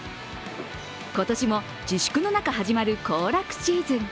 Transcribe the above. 今年も自粛の中始まる行楽シーズン。